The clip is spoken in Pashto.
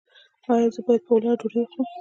ایا زه باید په ولاړه ډوډۍ وخورم؟